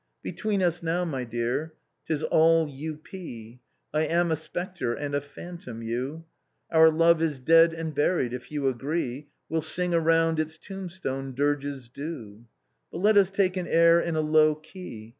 "Between us now, my dear, 'tis all U. P., I am a spectre and a phantom you. Our love is dead and buried; if you agree, We'll sing around its tombstone dirges due. " But let us take an air in a low key.